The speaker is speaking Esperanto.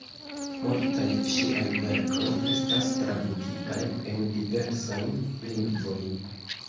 Multaj ŝiaj verkoj estas tradukitaj en diversajn lingvojn.